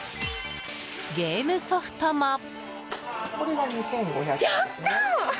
ゲームソフトも。